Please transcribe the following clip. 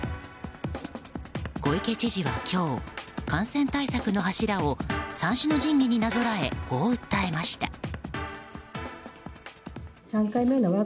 小池知事は今日、感染対策の柱を三種の神器になぞらえこう訴えました。